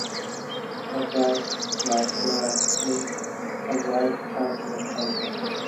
McBride was born at Toomebridge, County Antrim.